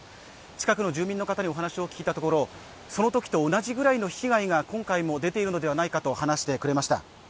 近くの住民の方にお話を聞いたところ、そのときと同じぐらいの被害が今回も出ているのではないかと話してくれました。